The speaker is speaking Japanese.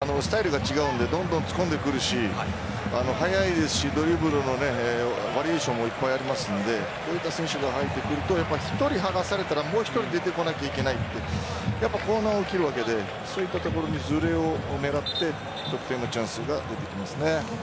パケタとのスタイルが違うのでどんどん突っ込んでくるし速いですしドリブルのバリエーションもいっぱいありますのでこういった選手が入ってくると１人剥がされたらもう１人出てこなければいけないというこれが大きいわけでそういったところのずれを狙って得点のチャンスが出てきますね。